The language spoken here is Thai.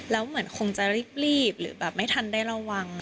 แล้วเหมือนคงจะรีบหรือแบบไม่ทันได้ระวัง